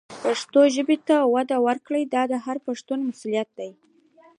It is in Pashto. پښتو ژبې ته وده ورکول د هر پښتون مسؤلیت دی.